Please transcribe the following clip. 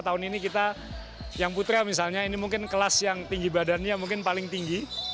tahun ini kita yang putra misalnya ini mungkin kelas yang tinggi badannya mungkin paling tinggi